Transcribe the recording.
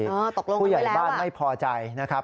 อ๋อตกลงกันไปแล้วว่ะผู้ใหญ่บ้านไม่พอใจนะครับ